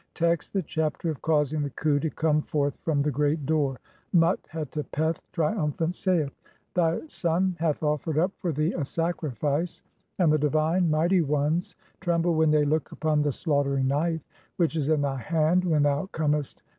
Text : (1) The Chapter of causing the khu to come FORTH FROM THE GREAT DOOR. 1 Mut hetepeth, triumphant, saith :— "Thy son hath offered up for thee [a sacrifice], and the "divine, mighty ones tremble (2) when they look upon the "slaughtering knife which is in thy hand [when] thou comest 1.